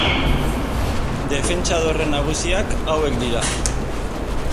Defentsa dorre nagusiak hauek dira.